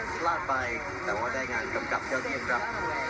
สลัดไปแต่ว่าได้งานกำกับเที่ยวเยี่ยมครับ